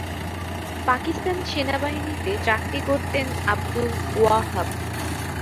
পাকিস্তান সেনাবাহিনীতে চাকরি করতেন আবদুল ওহাব।